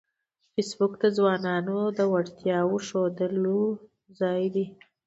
فېسبوک د ځوانانو د وړتیاوو ښودلو ځای دی